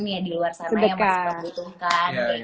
ya di luar sana yang masih membutuhkan